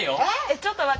ちょっと待って。